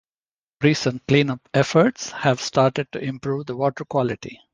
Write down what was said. Recent cleanup efforts have started to improve the water quality.